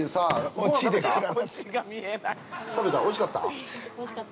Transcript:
おいしかった？